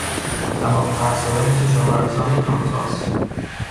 تو دماغی حرف زدن کشاورزان کانزاس